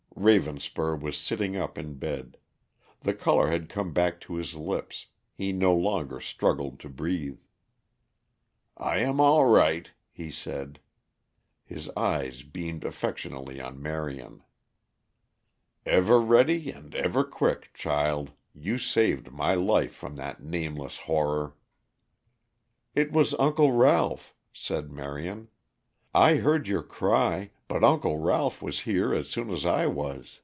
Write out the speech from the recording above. Ravenspur was sitting up in bed. The color had come back to his lips; he no longer struggled to breathe. "I am all right," he said. His eyes beamed affectionately on Marion. "Ever ready and ever quick, child, you saved my life from that nameless horror." "It was Uncle Ralph," said Marion. "I heard your cry, but Uncle Ralph was here as soon as I was.